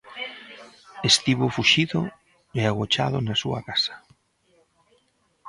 Estivo fuxido e agochado na súa casa.